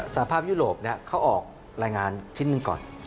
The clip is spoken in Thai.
สภาพยุโรปเขาออกรายงานชิ้นหนึ่งก่อน